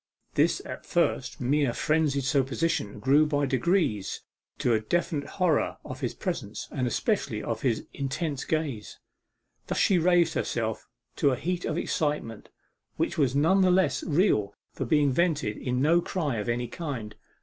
This at first mere frenzied supposition grew by degrees to a definite horror of his presence, and especially of his intense gaze. Thus she raised herself to a heat of excitement, which was none the less real for being vented in no cry of any kind.